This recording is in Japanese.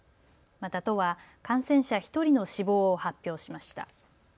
また都は感染者１人の死亡を発表しました。